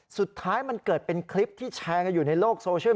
สุดท้ายมันเกิดเป็นคลิปที่แชร์กันอยู่ในโลกโซเชียล